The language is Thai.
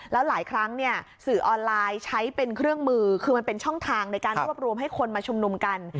แล้วหลายครั้งเนี่ยสื่อออนไลน์ใช้เป็นเครื่องมือคือมันเป็นช่องทางในการรวบรวมให้คนมาชุมนุมกัน